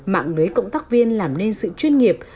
mạng lưới cộng tác viên làm nên sự chuyên nghiệp